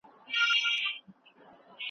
وچې مېوې د ژمي په موسم کې د بدن تودوخه ساتي.